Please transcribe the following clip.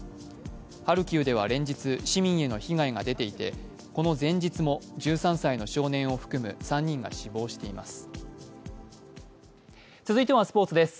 ハルキウでは連日市民への被害が出ていてこの前日も１３歳の少年を含む３人が死亡しています。